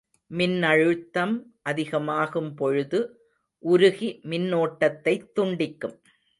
மின்னழுத்தம் அதிகமாகும் பொழுது உருகி மின்னோட்டத்தைத் துண்டிக்கும்.